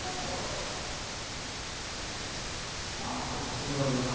あすごいなあ。